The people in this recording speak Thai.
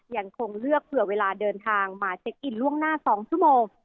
ยังคงเลือกเผื่อเวลาเดินทางมาเช็คอินล่วงหน้า๒ชั่วโมง